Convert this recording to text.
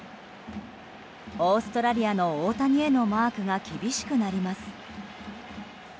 オーストラリアの大谷へのマークが厳しくなります。